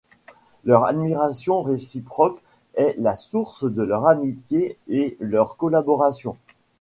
Leur admiration réciproque est la source de leur amitié et de leur collaboration.